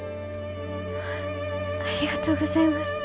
ありがとうございます。